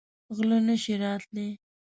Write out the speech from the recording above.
غله نه شي راتلی.